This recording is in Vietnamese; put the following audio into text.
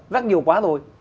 rác nhiều quá rồi